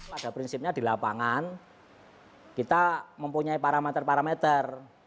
pada prinsipnya di lapangan kita mempunyai parameter parameter